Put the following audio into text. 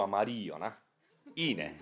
よないいね。